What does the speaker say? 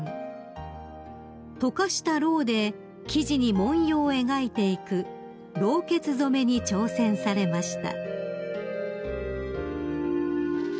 ［溶かしたろうで生地に文様を描いていくろうけつ染めに挑戦されました］